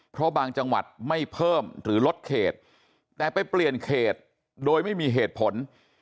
เพราะบางจังหวัดไม่เพิ่มหรือลดเขตแต่ไปเปลี่ยนเขตโดยไม่มีเหตุผล